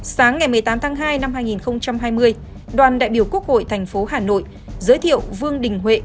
sáng ngày một mươi tám tháng hai năm hai nghìn hai mươi đoàn đại biểu quốc hội thành phố hà nội giới thiệu vương đình huệ